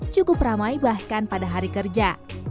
cukup ramai bahkan pada hari kerja